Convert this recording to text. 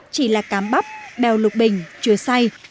chỉ là cám bắp bèo lục bình chua xay